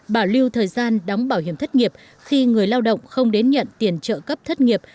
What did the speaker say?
ba bảo lưu thời gian đóng bảo hiểm thất nghiệp khi người lao động không đến nhận tiền trợ cấp thất nghiệp